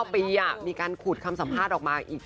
๙ปีมีการขุดคำสัมภาษณ์ออกมาอีก